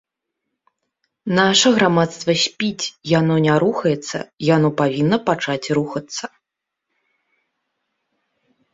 Наша грамадства спіць, яно не рухаецца, яно павінна пачаць рухацца.